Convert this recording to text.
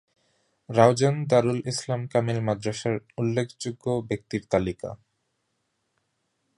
রাউজান দারুল ইসলাম কামিল মাদ্রাসার উল্লেখযোগ্য ব্যক্তির তালিকা